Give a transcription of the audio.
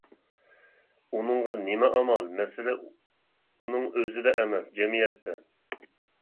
ئۇنىڭغا نېمە ئامال، مەسىلە ئۇنىڭ ئۆزىدە ئەمەس، جەمئىيەتتە.